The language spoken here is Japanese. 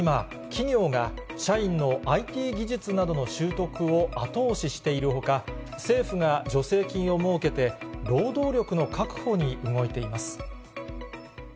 企業が社員のＩＴ技術などの習得を後押ししているほか、政府が助成金を設けて、労働力の確保に動いています。